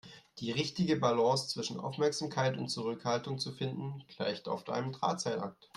Die richtige Balance zwischen Aufmerksamkeit und Zurückhaltung zu finden, gleicht oft einem Drahtseilakt.